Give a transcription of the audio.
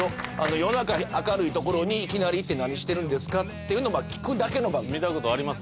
夜中明るいところにいきなり行って何してるんですかっていうの聞くだけの番組見たことあります